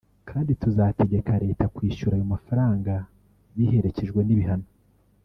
kandi tuzategeka Leta kwishyura ayo mafaranga biherekejwe n’ ibihano